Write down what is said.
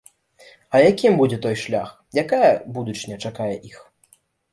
А якім будзе той шлях, якая будучыня чакае іх?